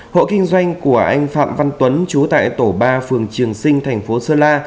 hộ kinh doanh của anh phạm văn tuấn chú tại tổ ba phường trường sinh thành phố sơ la